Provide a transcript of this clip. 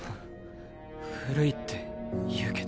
ふ古いって言うけど。